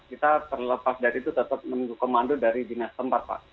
kita terlepas dari itu tetap menunggu komando dari dinas tempat pak